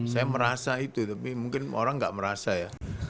saya merasa itu tapi mungkin orang nggak merasa ya